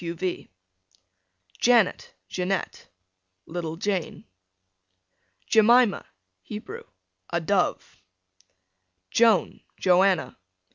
v. Janet, Jeanette, little Jane. Jemima, Hebrew, a dove. Joan, Joanna.